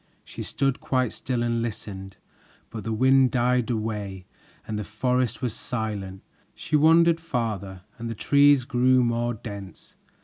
She stood quite still and listened, but the wind died away and the forest was silent. She wandered farther, and the trees grew more dense.